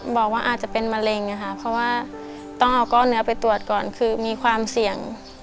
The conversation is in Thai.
บอกว่าอาจจะเป็นมะเร็งนะคะเพราะว่าต้องเอาก้อนเนื้อไปตรวจก่อนคือมีความเสี่ยง